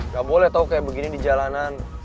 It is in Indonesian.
gak boleh tau kayak begini di jalanan